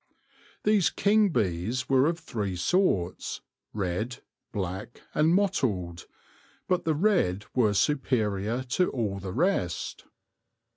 These king bees were of three sorts — red, black, and mottled ; but the red were superior to all the rest.